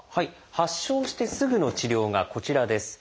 発症してすぐの治療がこちらです。